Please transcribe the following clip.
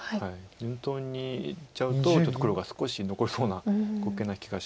順当にいっちゃうとちょっと黒が少し残りそうな碁形な気がします。